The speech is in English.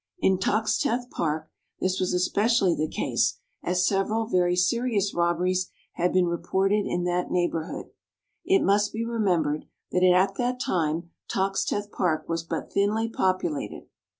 In Toxteth Park, this was especially the case, as several very serious robberies had been reported in that neighbourhood. It must be remembered that at that time Toxteth Park was but thinly populated.